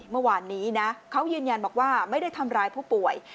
เมื่อวานนี้นะเขายืนยันบอกว่าไม่ได้ทำร้ายผู้ป่วย